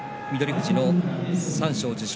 富士の三賞受賞。